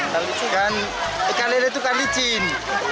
dan ikan lele itu kan licin